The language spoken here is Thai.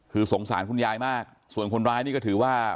คือสงสารคุณยายมากส่วนคนร้ายนี่ก็ถือว่า